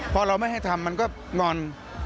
พอเราไม่ให้ทำมันก็งอน